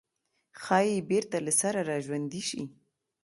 ښايي بېرته له سره راژوندي شي.